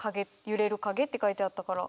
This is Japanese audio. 「揺れる影」って書いてあったから。